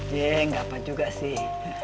ji nggak apa juga sih